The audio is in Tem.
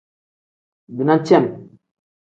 Bina cem.